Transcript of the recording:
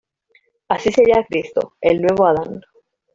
Así sería Cristo el "nuevo Adán".